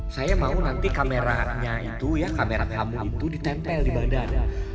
saya mau nanti kameranya itu ya kamera kamu itu ditempel di badan